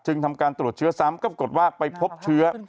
ทำการตรวจเชื้อซ้ำก็ปรากฏว่าไปพบเชื้อ